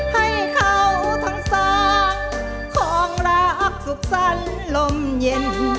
ให้เขาทั้งสามของรักสุขสรรค์ลมเย็น